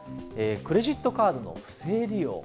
クレジットカードの不正利用。